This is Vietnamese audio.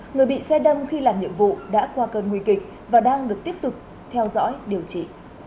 người bị xe đâm khi làm nhiệm vụ đã qua cơn nguy kịch và đang được tiếp tục theo dõi điều trị